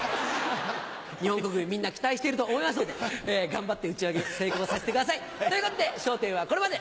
日本国民みんな期待していると思いますので頑張って打ち上げ成功させてください。ということで『笑点』はこれまで！